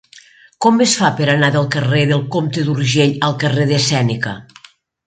Com es fa per anar del carrer del Comte d'Urgell al carrer de Sèneca?